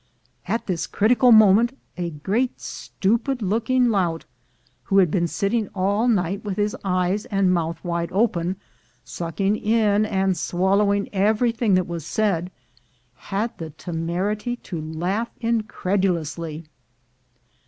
At this critical moment, a great stupid looking lout, who had been sitting all night with his eyes and mouth wide open, sucking in and swallowing every thing that was said, had the temerity to laugh incred ulously.